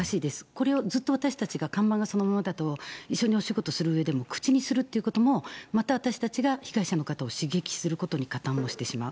これはずっと私たちが看板がそのままだと、一緒にお仕事をするうえでも、口にするということも、また私たちが被害者の方を刺激することに加担してしまう。